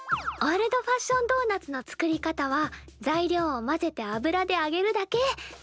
オールドファッションドーナツの作り方は材料を混ぜて油であげるだけ。